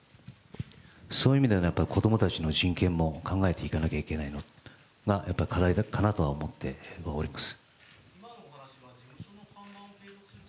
そういう意味では子どもたちの人権も考えていかなければいけない課題かなと思っております。